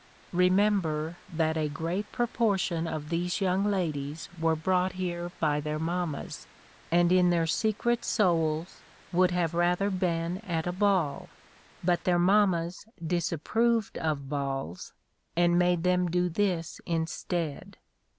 Remember that a great proportion of these young ladies were brought here by their mammas, and in their secret souls would have rather been at a ball; but their mammas disapproved of balls, and made them do this instead.